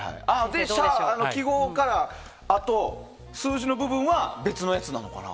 記号か、あと数字の部分は別のやつなのかな？